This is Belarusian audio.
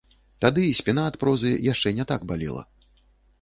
Тады спіна ад прозы яшчэ не так балела.